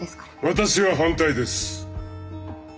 私は反対です。